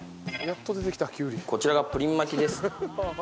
こちらがプリン巻きです。